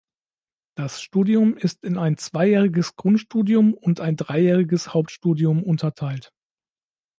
Das Studium ist in ein zweijähriges Grundstudium und ein dreijähriges Hauptstudium unterteilt.